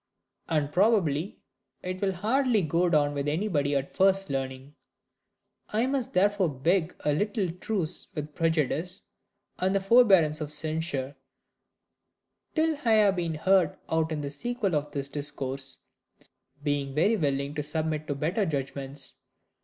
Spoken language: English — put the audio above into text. And probably it will hardly go down with anybody at first hearing. I must therefore beg a little truce with prejudice, and the forbearance of censure, till I have been heard out in the sequel of this Discourse, being very willing to submit to better judgments.